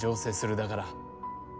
だから。